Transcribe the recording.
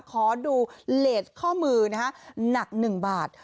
ขอดูเลสข้อมือนะฮะหนัก๑บาท